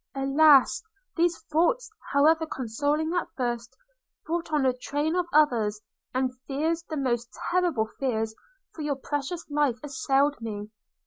Alas! these thoughts, however consoling at first, brought on a train of others, and fears, the most terrible fears for your precious life assailed me.